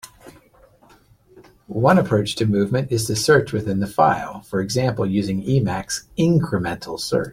One approach to movement is to search within the file, for example using Emacs incremental search.